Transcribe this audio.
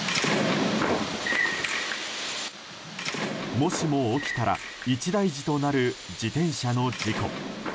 もしも起きたら一大事となる自転車の事故。